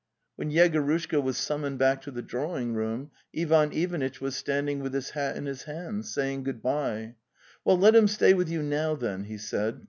oi.) When Yegorushka was summoned back to the drawing room Ivan Ivanitch was standing with his hat in his hands, saying good bye. "Well, let him stay with you now, then," he said.